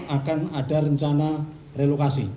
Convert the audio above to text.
akan ada rencana relokasi